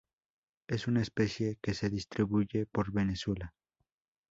Es una especie que se distribuye por Venezuela.